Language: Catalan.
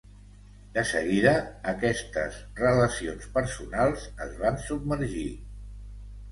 De seguida, aquestes relacions personals es van submergir.